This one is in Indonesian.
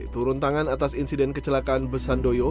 turun tangan atas insiden kecelakaan besandoyo